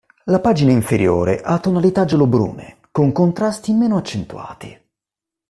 La pagina inferiore ha tonalità giallo-brune, con contrasti meno accentuati.